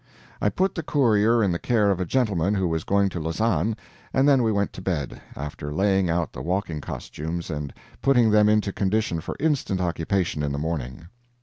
I put the courier in the care of a gentleman who was going to Lausanne, and then we went to bed, after laying out the walking costumes and putting them into condition for instant occupation in the morning.